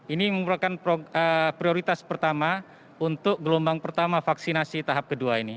ini merupakan prioritas pertama untuk gelombang pertama vaksinasi tahap kedua ini